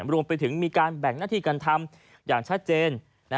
รวมไปถึงมีการแบ่งหน้าที่การทำอย่างชัดเจน